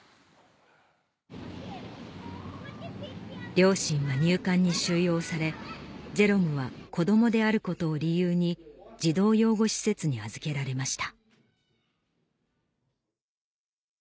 両親は入管に収容されジェロムは子供であることを理由に児童養護施設に預けられました